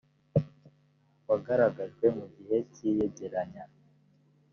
wagaragajwe mu gihe cy iyegeranya